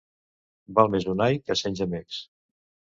Val més un ai!, que cent gemecs.